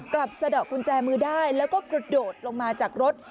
สะดอกกุญแจมือได้แล้วก็กระโดดลงมาจากรถ